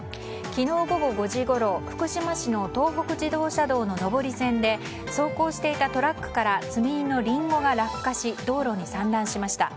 昨日午後５時ごろ福島市の東北自動車道の上り線で走行していたトラックから積み荷のリンゴが落下し道路に散乱しました。